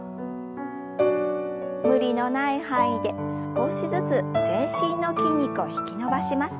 無理のない範囲で少しずつ全身の筋肉を引き伸ばします。